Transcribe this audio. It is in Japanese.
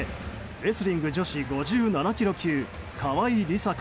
レスリング女子５７ｋｇ級川井梨紗子。